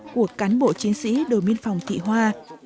của cán bộ chiến sĩ đối miên phòng thị hoa